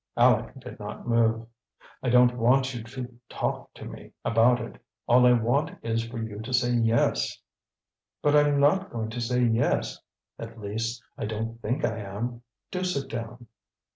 Aleck did not move. "I don't want you to 'talk to' me about it; all I want is for you to say 'yes.'" "But I'm not going to say 'yes;' at least, I don't think I am. Do sit down."